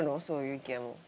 そういう意見を。